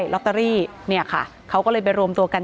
อ๋อเจ้าสีสุข่าวของสิ้นพอได้ด้วย